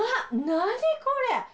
何これ！？